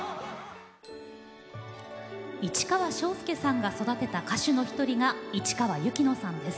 市川昭介さんが育てた歌手の一人が市川由紀乃さんです。